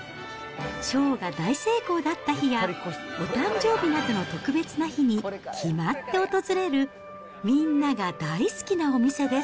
ショーが大成功だった日や、お誕生日などの特別な日に、決まって訪れる、みんなが大好きなお店です。